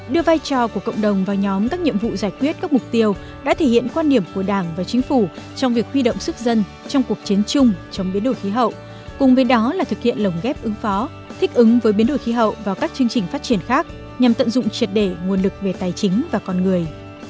đưa vai trò của cộng đồng vào nhóm các nhiệm vụ giải quyết các mục tiêu đã thể hiện quan điểm của đảng và chính phủ trong việc huy động sức dân trong cuộc chiến chung trong biến đổi khí hậu cùng với đó là thực hiện lồng ghép ứng phó thích ứng với biến đổi khí hậu vào các chương trình phát triển khác nhằm tận dụng triệt để nguồn lực về tài chính và con người